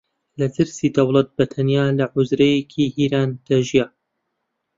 لە ترسی دەوڵەت بە تەنیا لە حوجرەیەکی هیران دەژیا